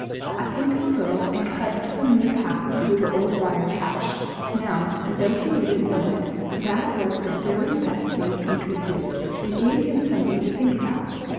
"I think I'll go and cut some new paths through the Old Briar patch." Now, though he didn't know it, that was the very best thing he could do. It gave him something to think about.